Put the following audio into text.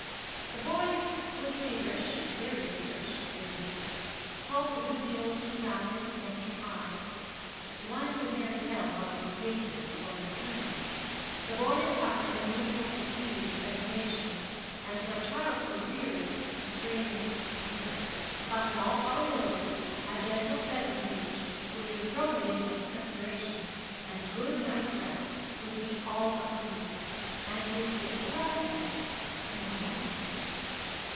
The boy was feverish, very feverish, he admitted; pulse a good deal too rapid; temperature high. One could never tell how these cases were going to turn. The boy had suffered unusual fatigue and deprivation, and for a child so reared the strain was severe; but in all probability a gentle febrifuge, which would throw him into a perspiration, and a good night's rest, would be all that was needed, and he would be as well as ever to morrow morning.